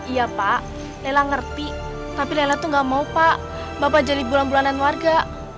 iya pak lelah ngerti tapi lelah tuh gak mau pak bapak jadi bulanan bulanan warga